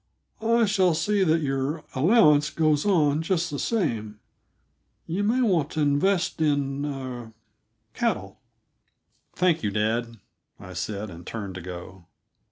"I shall see that your allowance goes on just the same; you may want to invest in er cattle." "Thank you, dad," I said, and turned to go.